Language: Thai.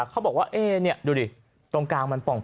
เขาบอกว่าดูดิตรงกลางมันป่อง